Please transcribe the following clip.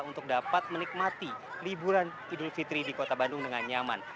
untuk dapat menikmati liburan idul fitri di kota bandung dengan nyaman